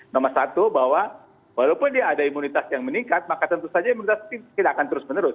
nomor satu bahwa walaupun dia ada imunitas yang meningkat maka tentu saja imunitas tidak akan terus menerus